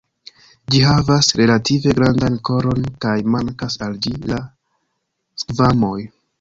Ĝi havas relative grandan koron kaj mankas al ĝi la skvamoj.